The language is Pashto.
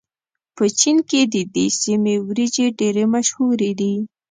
په چين کې د دې سيمې وريجې ډېرې مشهورې دي.